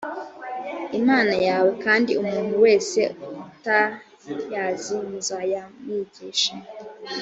imana yawe kandi umuntu wese utayazi muzayamwigishe